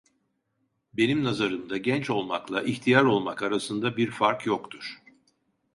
Benim nazarımda genç olmakla ihtiyar olmak arasında bir fark yoktur.